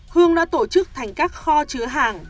hương đã tổ chức thành các kho chứa hàng